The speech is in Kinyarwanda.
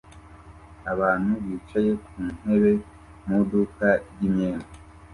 Abantu bicaye ku ntebe mu iduka ryimyenda